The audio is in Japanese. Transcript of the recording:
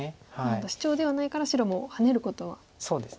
シチョウではないから白もハネることは。